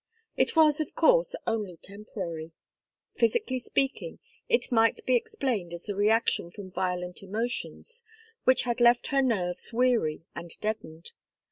It was, of course, only temporary. Physically speaking, it might be explained as the reaction from violent emotions, which had left her nerves weary and deadened.